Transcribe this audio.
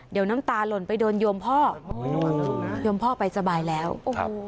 เดี๋ยวน้ำตาหล่นไปโดนโยมพ่อโยมพ่อไปสบายแล้วโอ้โห